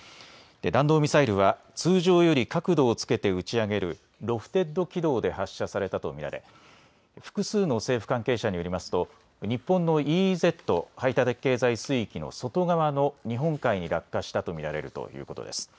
弾道ミサイルは通常より角度をつけて打ち上げるロフテッド軌道で発射されたと見られ複数の政府関係者によりますと日本のＥＥＺ・排他的経済水域の外側の日本海に落下したと見られるということです。